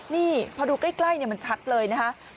นี่พอดูใกล้มันชัดเลยนะคะ